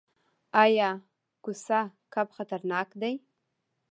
ایا کوسه کب خطرناک دی؟